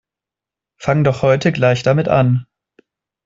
Fang' doch heute gleich damit an!